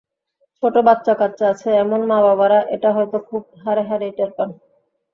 ছোট বাচ্চা-কাচ্চা আছে, এমন মা-বাবারা এটা হয়তো খুব হাড়ে হাড়েই টের পান।